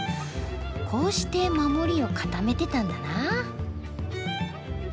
こうして守りを固めてたんだな。